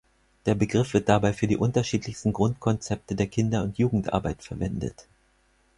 Der Begriff wird dabei für die unterschiedlichsten Grundkonzepte der Kinder- und Jugendarbeit verwendet.